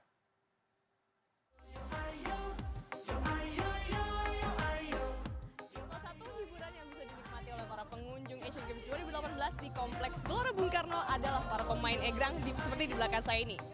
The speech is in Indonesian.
salah satu hiburan yang bisa dinikmati oleh para pengunjung asian games dua ribu delapan belas di kompleks gelora bung karno adalah para pemain egrang seperti di belakang saya ini